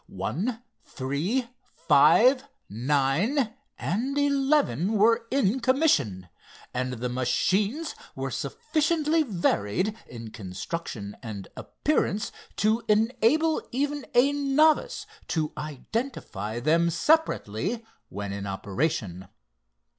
One, three, five, nine and eleven were in commission, and the machines were sufficiently varied in construction and appearance to enable even a novice to identify them separately when in operation.